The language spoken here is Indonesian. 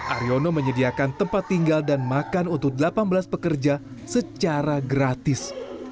aryono menyediakan tempat tinggal dan makan untuk delapan belas pekerja secara gratis